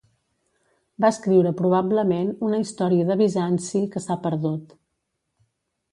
Va escriure probablement una Història de Bizanci que s'ha perdut.